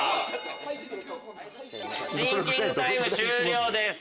シンキングタイム終了です。